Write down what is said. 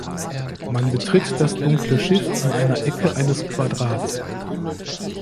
Man betritt das dunkle Schiff an einer Ecke eines Quadrats.